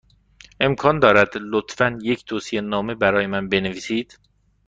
امکان دارد، لطفا، یک توصیه نامه برای من بنویسید؟